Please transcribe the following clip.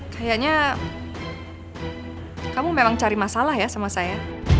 kayaknya kamu memang cari masalah ya sama saya